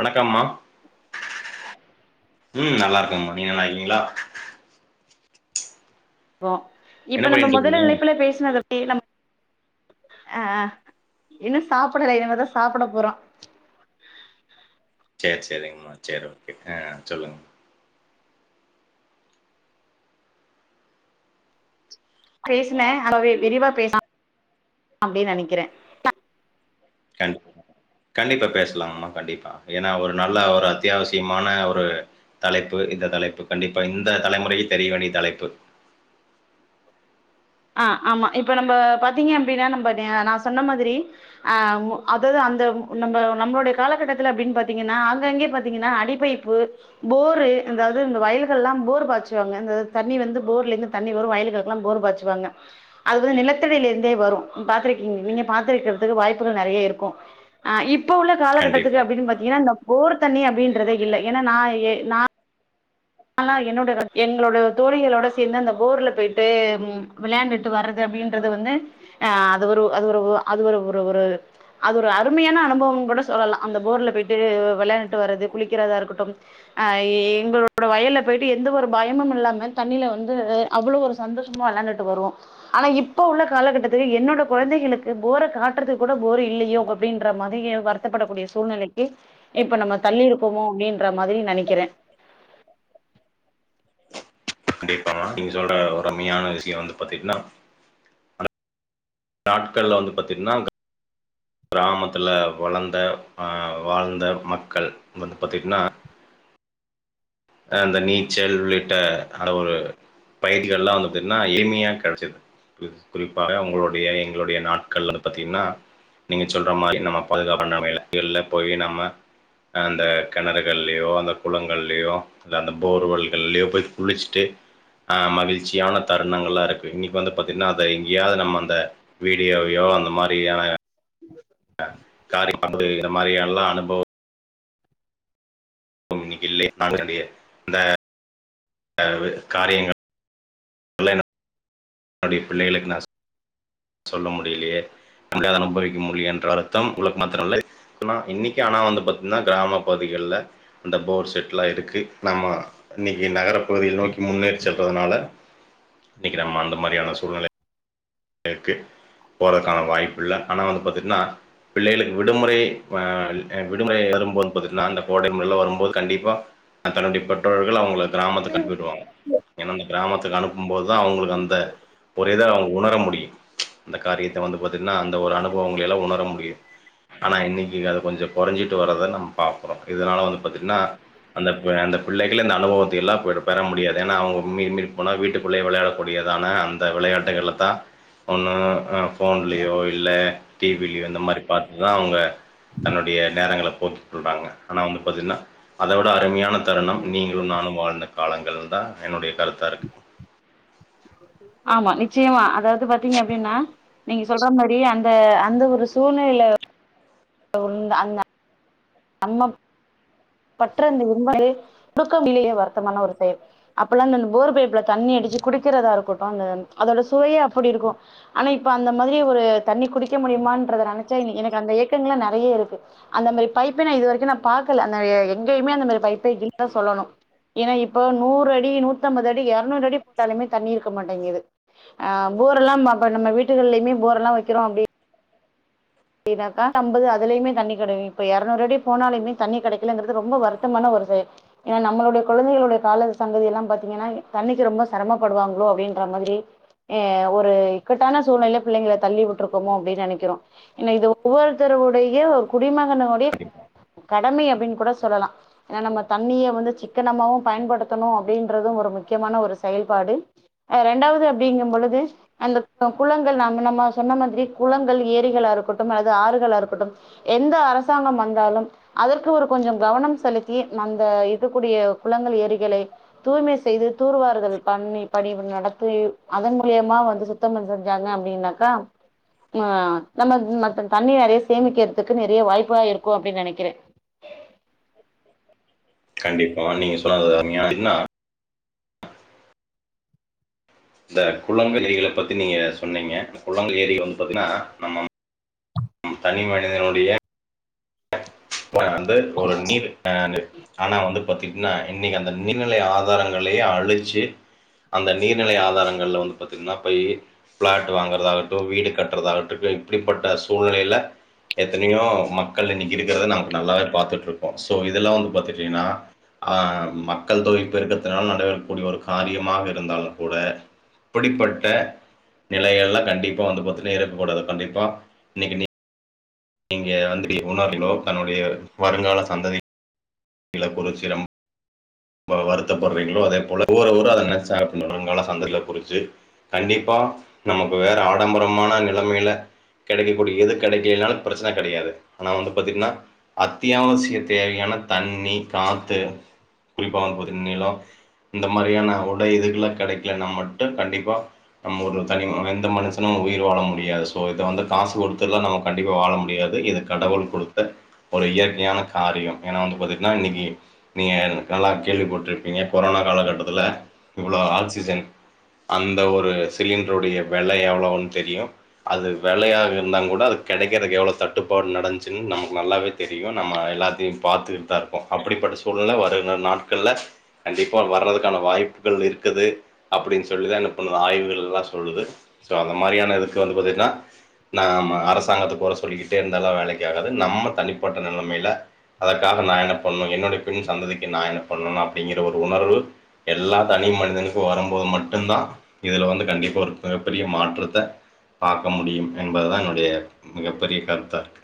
வணக்கம்மா [inaudible] ம் நல்லா இருக்கேங்மா நீங்க நல்லா இருக்கீங்களா? அப்றோ என்ன இப்ப நம்ம பண்ணிட்டு மொதல் இருக்கீங்க இணைப்புல பேசினத அப்டியே நம் ஆ இன்னு சாப்படல இனிமே சாப்பட போறோ சேரி சேரிங்மா சேரி ஓகே ஆ சொல்லுங் பேசினே அதவே விரிவா பேசலா அப்டின்னு நெனைக்கிறே கண்டி கண்டிப்பா பேசலாங்மா கண்டிப்பா ஏன்னா ஒரு நல்ல ஒரு அத்தியாவசியமான ஒரு தலைப்பு இந்த தலைப்பு கண்டிப்பா இந்த தலைமுறைக்கு தெரிய வேண்டிய தலைப்பு ஆ ஆமா இப்ப நம்ம பாத்தீங்க அப்டின்னா நம்ப ஆ நா சொன்ன மாதிரி ஆ ஒ அதாவது அந்த நம்ம நம்மளோட காலகட்டத்துல அப்டின்னு பாத்தீங்கன்னா ஆங்காங்கே பாத்தீங்கன்னா அடி பைப்பு போரு அதாவது இந்த வயல்கள்லா போர் பாச்சுவாங்க அந்த தண்ணி வந்து போர்ல இருந்து தண்ணி வரு வயல்களுக்கெல்லா போர் பாச் சுவாங்க அது வந்து நிலத்தடியில இருந்தே வரு நீங் பாத்திருக்கீங் நீங்க பாத்திருக்கிறதுக்கு வாய்ப்புகள் நெறைய இருக்கு ஆ இ ப்ப உள்ள காலகட்டத்துக்கு கண்டிப்பா அப்டின்னு பாத்தீங்கன்னா இந்த போர் தண்ணி அப்டின்றதே இல்ல ஏன்னா நா ஏ நா ன்லா என்னோட ஆ எங்களோட தோழிகளோட சேந்து அந்த போர்ல போயிட்டு ம் விளையாண்டுட்டு வர்றது அப்டின்றது வந்து அ அது ஒரு அது ஒரு அது ஒரு ஒரு ஒரு அது ஒரு அருமையான அனுபவம்னு கூட சொல்லலா அந்த போர்ல போயிட்டு வ விளையாண்டுட்டு வரது குளிக்கிறதா இருக்கட்டும் ஆ எங்களோ ட வயல்ல போயிட்டு எந்த ஒரு பயமும் இல்லாம தண்ணில வந்து அவ்வளவு ஒரு சந்தோஷமா வெளையாண்டுட்டு வருவோ ஆனா இப்ப உள்ள காலகட்டத்துக்கு என்னோட குழந்தைகளுக்கு போர காட்றதுக்கு கூட போரு இல்லையோ அப்டின்ற மாதிரி வருத்தப்படக்கூடிய சூழ்நிலைக்கி இப்ப நம்ம தள்ளி இருக்கோமோ அப்டின்ற மாதிரி நெனைக்கிறே கண்டிப்பாமா நீங்க சொல்ற ஒரு அருமையான விஷயோ வந்து பாத்தீங்கன்னா நாட்கள்ல வந்து பாத்தீங்கன்னா க கிராமத்துல வளந்த ஆ வாழ்ந்த மக்கள் வந்து பாத்தீங்கன்னா ஆ அந்த நீச்சல் உள்ளிட்ட அந்த ஒரு பயிட்டிகள்லா வந்து பாத்தீங்ன்னா எளிமையா கெடைச்சிது கு குறிப்பாக உங்களுடைய எங்களுடைய நாட்கள்ல வந்து பாத்தீங்ன்னா நீங்க சொல்ற மாரி நம்ம பாதுகாப்பா நாம இதுல [unintelligible] போயி நம்ம ஆ அந்த கெணறுகள்லயோ அந்த குளங்கள்லயோ இந்த அந்த போர்வெல்கள்லயோ போய் குளிச்சுட்டு ஆ மகிழ்ச்சியான தருணங்கள்லா இருக்கு இன்னைக்கு வந்து பாத்தீங்கன்னா அத எங்கயாவது நம்ம அந்த வீடியோவையோ அந்த மாரியான ஆ காரியம் [unintelligible] இந்த மாரி எல்லா அனுபவ ம் இன்னைக்கு இல்ல நாங்க [unintelligible] இந்த ஆ இது காரியங்கள் என்னுடைய பிள்ளைகளுக் நா சொ சொல்ல முடியலையே நம்பள அதன அனுபயவிக்க முடியும் என்ற அர்த்தம் உங்களுக்கு மாத்தரல்ல. நா இன்னிக்கு ஆனா வந்து பாத்தீங்கன்னா கிராமம் பகுதிகள்ல அந்த போர் செட்லா இருக்கு நம்ம இன்னிக்கு நகரம் பகுதியில் நோக்கி முன்னேறி செல்றதுனால இன்னிக்கு நம்ம அந்த மாரியான சூழ்நிலை இருக்கு போறதுக்கான வாய்ப்பு இல்ல ஆனா வந்து பாத்தீங்கன்னா பிள்ளைகளுக்கு விடுமுறை அ விடுமுறை வரும்போது பாத்தீங்கன்னா அந்த கோடை விடுமுறை எல்லா வரும்போது கண்டிப்பா தன்னுடைய பெற்றோர்கள் அவங்களுக் கிராமத்துக் அனுப்பி விடுவாங்க ஏன்னா அந்த கிராமத் துக்கு அனுப்பும் போது தா அவங்களுக் அந்த ஒரு இத அவங் ஓணர முடி யும் அந்த காரியத்தை வந்து பாத்துங் நா அந்த ஒரு அனுபவங்கள ல்லா உணர முடியும் ஆனா இன்னைக்கு அத கொஞ்சம் குறைஞ்சிட்டு வறத நம்ம பாக்கறோம் இதனால வந்து பாத்தீங்கன்னா அந்த அந்த பிள்ளைகள்ள இந்த அனுபவத்தை எல்லாம் போய் பெற முடியாது ஏன்னா அவுங்க மீ மீறி போனா வீட்டுக்குள்ளயே விளையாடக்கூடியதான அந்த விளையாட்டுகள்ல தா ஒண்ணு ஃபோன்லயோ இல்ல டிவிலயோ இந்த மாதிரி பார்த்துதான் அவுங்க தன்னுடைய நேரங்களை போக்கி சொல்றாங்க ஆனா வந்து பாத்தீங்கன்னா அத விட அருமையான தருணம் நீங்களும் நானும் வாழ்ந்த காலங்கள் தா என்னுடைய கருத்தா இருக் ஆமா நிச்சயமா அதாவது பாத்தீங்க அப்டின்னா நீங்க சொல்ற மாரி அந்த அந்த ஒரு சூழ்நிலைல [unintelligible] அம்மம் [unintelligible] தூக்கம் இல்லேய வருத்தமான ஒரு செயல் அப்பல்லா அந்த போர் பைப்ல தண்ணி அடிச்சு குடிக்கிறதா இருக்கட்டும் அந்த அதோட சுவையே அப்டி இருக்கும் ஆனா இப்ப அந்த மாதிரி ஒரு தண்ணி குடிக்க முடியுமான்ற நனைச்சா எனக்கு அந்த ஏக்கங்கள்லாம் நிறைய இருக்கு அந்த மாதிரி பைப்பே நா இது வரைக்கும் நா பாக்கல அந்த எங்கேயமே அந்த மாரி பைப்பே இல்லன் சொல்லணும் ஏன்னா இப்போ நூறு அடி நூத்திம்பது அடி இரநூறு அடி போட்டாலுமே தண்ணி இருக்க மாட்டேங்கது அ போர் எல்லாம் அப்ப நம்ம வீட்டுகள்லயுமே போர் எல்லாம் வைக்கறோம் அப்படி என்னாக்கா நம்பதுலயுமே தண்ணி கிடையாது இப்ப இரநூறு அடி போனாலமே தண்ணி கிடைக்கலங்கறது ரொம்ப வருத்தமான ஒரு செயல் ஏன்னா நம்மளுடைய குழந்தைகளுடைய கால சங்கதி எல்லாம் பாத்தீங்கன்னா த தண்ணிக்கு ரொம்ப சிரமப்படுவாங்களோ அப்படின்ற மாதிரி ஹ் ஒரு இக்கட்டான சூழ்நிலயல பிள்ளைங்கள தள்ளி விட்ருக்கோமோ அப்படின் நினைக்கிறோம் ஏனா இது ஒவ்வொருத்தருவடைய ஒரு குடிமகனுடைய கடமை அப்டின்னு கூட சொல்லலாம் ஏனா நம்ம தண்ணிய வந்து சிக்கனமாவும் பயன்படுத்தணும் அப்படின்றதும் ஒரு முக்கியமான ஒரு செயல்பாடு் ரெண்டாவது அப்படிங்கும்பொழுது அந்த குளங்கள் நம்ம நம்ம சொன்ன மாதிரி குளங்கள் ஏரிகள் அரு க்கட்டும் ஆறுகளாக இருக்கட்டும் எந்த அரசாங்கம் வந்தாலும் அதற்கு ஒரு கொஞ்சம் கவனம் செலுத்தி அந்த இருக்கக்கூடிய குளங்கள் ஏரிகளை தூய்மை செய்து தூர்வாறுதல் பண்ணி பணி நடத்தி அதன் மூலியமா வந்து சுத்தம் செஞ்சாங்க அப்டின்னாக்கா ம்மா நம்ம ம் மத் தண்ணி நிறைய சேமிக்கிறதுக்கு நிறைய வாய்ப்பா இருக்கு அப்டின் நனைக்கிறே கண்டிப்பா நீங்க சொன்னாத அம்மியா என்னா இந்த குளங்கள் ஏரிகளை பத்தி நீங்க சொன்னீங்க குளங்கள் ஏரி வந்து பாத்தீங்கன்னா நம்ம நம் தனி மனிதனுடைய வந்து ஒரு நீர் ஆ ந்து ஆனா வந்து பாத்திங்கன்னா இன்னிக்கு அந்த நீர்நிலை ஆதாரங்களே அழிச்சி அந்த நீர்நிலை ஆதாரங்கள்ல வந்து பாத்திங்கன்னா போயி ப்ளாட் வாங்கறதா இருக்கட்டும் வீடு கட்டுறதாகட்டும் இப்படிப்பட்ட சூழ்நிலைல எத்தனையோ மக்கள் இன்னிக்கு த நமக்கு நல்லாவே பாத்துட்டு இருக்கோ சோ இதெல்லா வந்து பாத்துட்டீங்கன்னா அ மக்கள் தொகை பெருக்கதுநாளா நடைபெறக்க கூடிய ஒரு காரியமாக இருந்தாலும் கூட இப்படிப்பட்ட நிலைகள் ல்லா கண்டிப்பா வந்து பாத்தீர் இருக்கக்கூடாது கண்டிப்பா இன்னிக்கு நீங்க வந்துட்டு உணவிலோ தன்னுடைய வருங்கால சந்ததி சில குறிச்சி ரொம் ரொம்ப வருத்தப்படுறீங்களோ அதே போல ஊர் ஊர அத நினைச்சா அப்படின்னுங்களா சந்ததியல குறிச்சி கண்டிப்பா நமக்கு வேற ஆடம்பரமான நிலைமையல கிடைக்கக்கூடியது கிடைக்கலைனாலும் பிரச்சன கிடையாது ஆனா வந்து பாத்தீங்கன்னா அத்தியாவசிய தேவையான தண்ணி காத்து குறிப்பா பாத்தீங்கனா நிலம் இந்த மாரியான உடை எதுக்கு எல்லாம் கிடைக்கலன்னா மட்டும் கண்டிப்பா நம்ம ஒரு தனி எந்த மனுஷனும் உயிர் வாழ முடியாது சோ இத வந்து காசு கொடுத்துல்லா நம்ம கண்டிப்பா வாழ முடியாது இது கடவுள் குடுத்த ஒரு இயற்கையான காரியம் ஏனா வந்து பாத்தீங்கன்னா இன்னைக்கி நீங்க நல்லா கேள்விப்பட்ருப்பீங்க கொரோனா காலக்கட்டத்துல இவ்ளோ ஆக்சிஜன் அந்த ஒரு சிலிண்டருடைய விலை எவ்ளோன் தெரியும் அது விலையாக இருந்தா கூட அது கிடைக்கறதுக்கு எவ்ளோ தட்டுப்பாடு நடச்சுன்னு நமக்கு நல்லாவே தெரியும் நம்ம எல்லாத்தையம் பாத்துக்கிட்டு தா இருக்கோம் அப்டிப்பட்ட சூழ்நிலை வர நாட்கள்ல கண்டிப்பா வறதுக்கான வாய்ப்புகள் இருக்குது அப்டின் சொல்லிதா என்ன பண்ணுது ஆய்வுகள் எல்லாம் சொல்லுது சோ அந்த மாரியான இதுக்கு வந்து பாத்தீங்கன்னா நம்ம அரசாங்கத்த குற சொல்லிக்கிட்டே இருந்தல்லாம் வேலைக்கு ஆகாது நம்ம தனிப்பட்ட நிலைமையல அதற்காக நா என்ன பண்ணும் என்னுடைய பின் சந்ததிக்கு நா என்ன பண்ணும் அப்டிங்கிற ஒரு உணர்வு எல்லா தனி மனிதனுக்கும் வரும்போது மட்டும்தா இதுல வந்து கண்டிப்பா ஒரு மிகப்பெரிய மாற்றத்த பாக்க முடியும். என்பதுதா என்னுடைய மிகப்பெரிய கருத்தா இருக்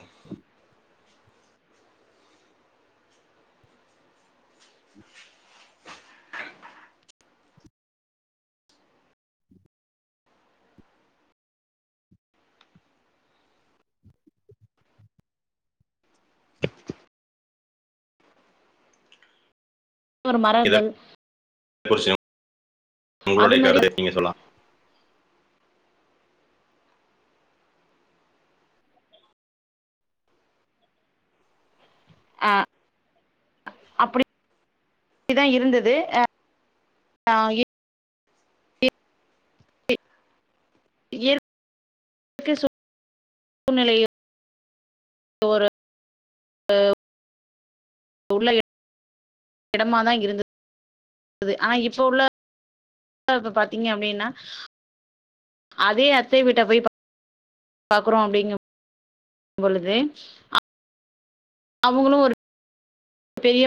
ஒரு இத மரங்கள். [unintelligible] அது உங்களுடைய மாரி கருத நீங்க சொல்லா [unintelligible] [unintelligible] உள்ள எடமாதா இங்க இருந்தது ஆனா இப்ப உள்ள [inaudible] இப்ப பாத்தீங்க அப்டின்னா அதே அத்தை வீட்ட போய் பாக்குறோ அப்டிங்கம் பொழுது அ அவுங்களு ஒரு தெரிய